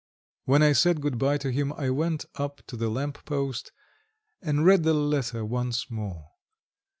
When I said good bye to him, I went up to the lamp post and read the letter once more.